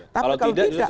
kalau tidak itu sebaliknya